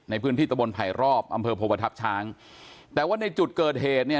ในพื้นที่ตะบนไผ่รอบอำเภอโพทัพช้างแต่ว่าในจุดเกิดเหตุเนี่ย